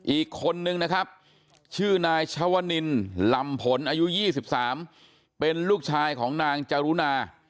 อีกคนนึงนะครับชื่อนายชวนินลำผลอายุ๒๓เป็นลูกชายของนางจรุณา